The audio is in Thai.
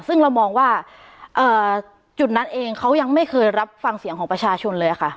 ซึ่งเรามองว่าจุดนั้นเองเขายังไม่เคยรับฟังเสียงของประชาชนเลยค่ะ